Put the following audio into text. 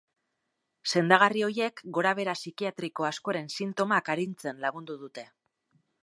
Sendagarri horiek gorabehera psikiatriko askoren sintomak arintzen lagundu dute.